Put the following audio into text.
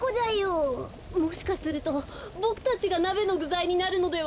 もしかするとボクたちがなべのぐざいになるのでは。